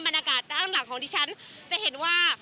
บรรณากาศข้างหลังของที่ชั้นจะเห็นว่า